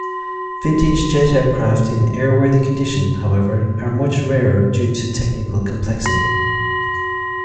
Vintage jet aircraft in airworthy condition, however, are much rarer due to technical complexity.